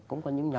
cũng có những nhóm